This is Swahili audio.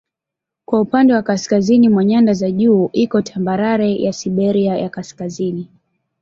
Kwa upande wa kaskazini mwa nyanda za juu iko tambarare ya Siberia ya Kaskazini.